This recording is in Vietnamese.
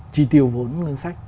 chi tiêu vốn ngân sách